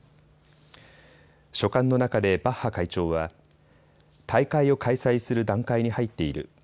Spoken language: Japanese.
書簡の中でバッハ会長は大会を開催する段階に入っている。